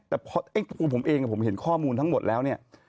แต่พอตัวผมเองผมเห็นข้อมูลทั้งหมดแล้วเนี่ย